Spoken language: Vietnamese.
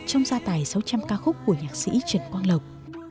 trong gia tài sáu trăm linh ca khúc của nhạc sĩ trần quang lộc